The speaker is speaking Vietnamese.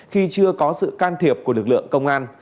khi chưa có sự can thiệp của lực lượng công an